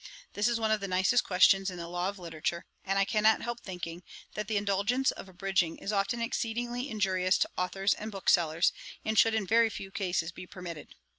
This is one of the nicest questions in the Law of Literature; and I cannot help thinking, that the indulgence of abridging is often exceedingly injurious to authours and booksellers, and should in very few cases be permitted.